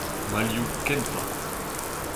ma liv kentañ.